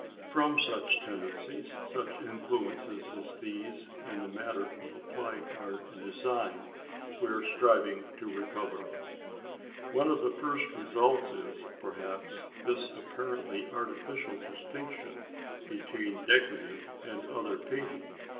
From such tendencies, such influences as these, in the matter of applied art and design, we are striving to recover. One of the first results is, perhaps, this apparently artificial distinction between decorative and other painting.